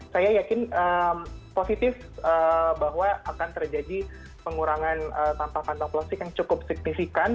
saya yakin positif bahwa akan terjadi pengurangan tanpa kantong plastik yang cukup signifikan